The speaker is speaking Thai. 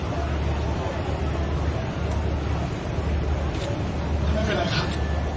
ไม่เป็นไรครับ